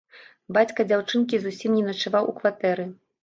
Бацька дзяўчынкі зусім не начаваў у кватэры.